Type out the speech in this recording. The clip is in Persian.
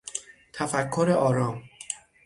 تفکر آرام